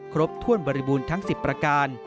ครบถ้วนบริบูรณ์ทั้ง๑๐ประการ